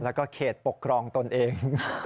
แล้วก็เขตปกครองตนเอง